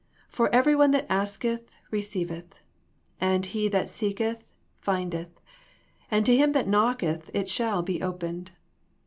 For every one that asketh receiveth; and he that seeketh findeth ; and to him that knocketh it shall be opened.